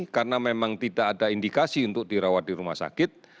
karena memang tidak ada indikasi untuk dirawat di rumah sakit